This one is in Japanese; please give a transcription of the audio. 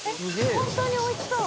本当においしそう！